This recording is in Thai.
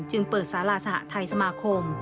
จึงเปิดสาราสหะไทยสมาคม